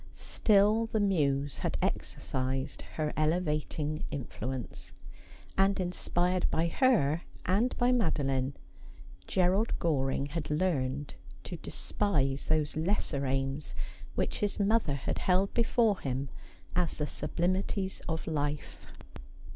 Still the Muse had exercised her elevating influence ; and, inspired by her and by MadoUne, Gerald Goring had learned to despise those lesser aims which his mother had held before him as the sublimities of life.